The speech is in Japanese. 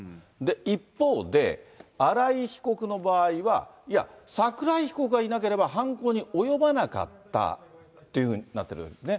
一方で、新井被告の場合は、桜井被告がいなければ犯行に及ばなかったというふうになってるんですね。